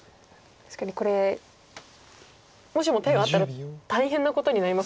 確かにこれもしも手があったら大変なことになりますもんね。